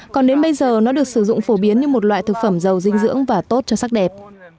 còn đến bây giờ nó được sử dụng phổ biến như một loại thực phẩm giàu dinh dưỡng và tốt cho sắc đẹp